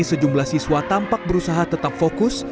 sejumlah siswa tampak berusaha tetap fokus